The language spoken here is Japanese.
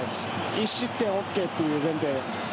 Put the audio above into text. １失点ＯＫという前提で。